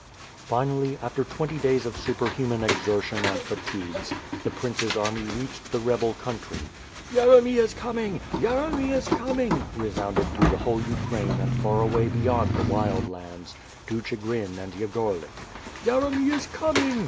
Finally, after twenty days of superhuman exertion and fatigues, the prince's army reached the rebel country. "Yeremy is coming! Yeremy is coming!" resounded through the whole Ukraine and far away beyond the Wild Lands, to Chigrin and Yagorlik, "Yeremy is coming!"